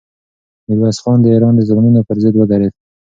میرویس خان د ایران د ظلمونو پر ضد ودرېدی.